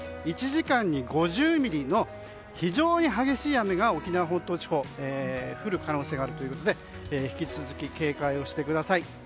１時間に５０ミリの非常に激しい雨が沖縄本島地方に降るということで引き続き、警戒をしてください。